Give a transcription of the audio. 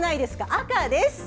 赤です！